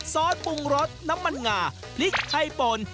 ซอสปรุงรสน้ำมันงาพริกไทยปน